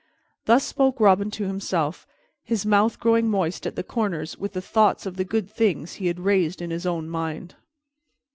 Thus spoke Robin to himself, his mouth growing moist at the corners with the thoughts of the good things he had raised in his own mind.